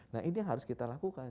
nah ini yang harus kita lakukan